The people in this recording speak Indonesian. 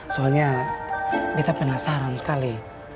soalnya beto penasaran sekali